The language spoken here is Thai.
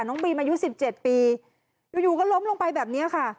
น้องบีมอายุ๑๗ปีอยู่ก็ล้มลงไปแบบนี้ค่ะ